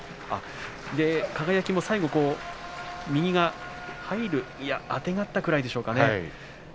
輝も最後、右が入るいやあてがったぐらいでしょうかね。